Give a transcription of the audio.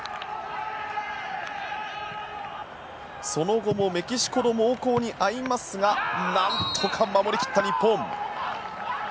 その後もメキシコの猛攻に遭いますが何とか守り切った日本。